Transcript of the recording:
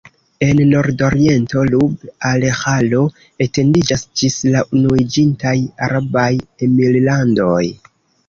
En nordoriento Rub-al-Ĥalo etendiĝas ĝis la Unuiĝintaj Arabaj Emirlandoj.